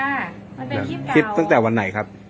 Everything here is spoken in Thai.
มันเป็นขาดคลิปตั้งแต่วันไหนครับ